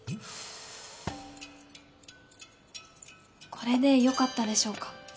これでよかったでしょうか？